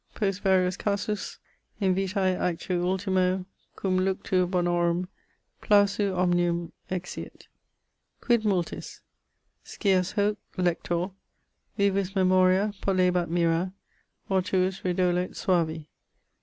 Post varios casus, in vitae actu ultimo Cum luctu bonorum, plausu omnium, exiit. Quid multis? Scias hoc, lector: vivus memoria Pollebat mirâ, mortuus redolet suavi.